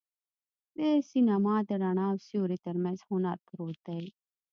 د سینما د رڼا او سیوري تر منځ هنر پروت دی.